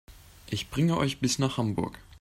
Ich bringe euch bis nach Hamburg